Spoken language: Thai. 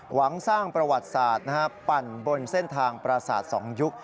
หวังสร้างประวัติศาสตร์ปั่นบนเส้นทางประสาท๒ยุค